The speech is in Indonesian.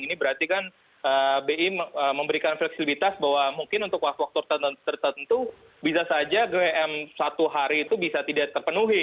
ini berarti kan bi memberikan fleksibilitas bahwa mungkin untuk waktu waktu tertentu bisa saja gwm satu hari itu bisa tidak terpenuhi